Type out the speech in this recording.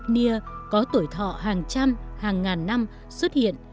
những cây cổ thụ cây tung cây cnia có tuổi thọ hàng trăm hàng ngàn năm xuất hiện